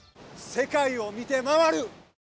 世界を見て回る！